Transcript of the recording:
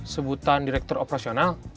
sebutan direktur operasional